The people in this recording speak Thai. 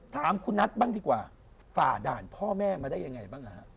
ถามคุณนัทบ้างดีกว่าฝ่าด่านพ่อแม่มาได้ยังไงบ้าง